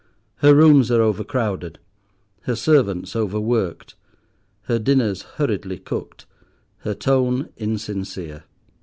Her rooms are overcrowded, her servants overworked, her dinners hurriedly cooked, her tone insincere.